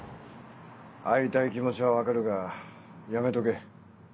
会いたい気持ちは分かるがやめとけ